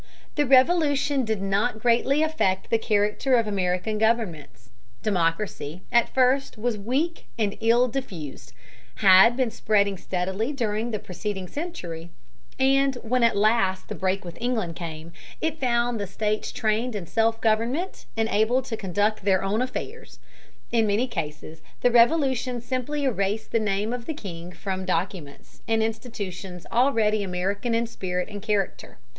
The Revolution did not greatly affect the character of American governments. Democracy, at first weak and ill diffused, had been spreading steadily during the preceding century, and when at last the break with England came, it found the states trained in self government and able to conduct their own affairs. In many cases the Revolution simply erased the name of the king from documents and institutions already American in spirit and character.